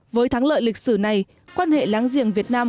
với thắng lợi lịch sử này quan hệ láng giềng việt nam